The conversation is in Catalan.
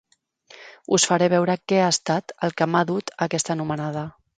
Us faré veure què ha estat el que m'ha dut aquesta anomenada.